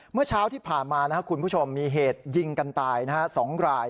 เมื่อเช้าที่ผ่านมาคุณผู้ชมมีเหตุยิงกันตาย๒ราย